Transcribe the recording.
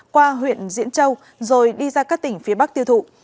qua huyện diễn châu rồi đi ra các tỉnh phía bắc tiêu thụ